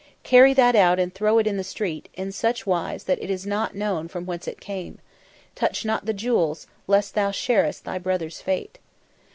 "Carry that out and throw it in the street, in such wise that it is not known from whence it came. Touch not the jewels, lest thou sharest thy brother's fate."